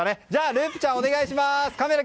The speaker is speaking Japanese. ループちゃん、お願いします！